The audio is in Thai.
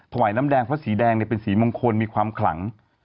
ถวายน้ำแดงเพราะสีแดงเป็นสีมงคลมีความขลัง